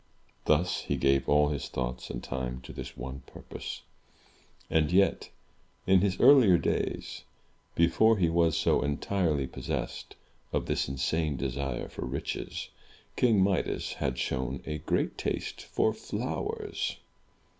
Thus, he gave all his thoughts and time to this one purpose. And yet, in his earlier days, before he was so entirely pos sessed of this insane desire for riches. King Midas had shown a great taste for flowers.